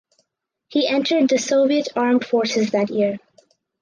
He entered the Soviet Armed Forces that year.